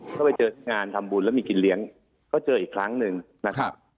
ก็ไปเจองานทำบุญแล้วมีกินเลี้ยงก็เจออีกครั้งหนึ่งนะครับ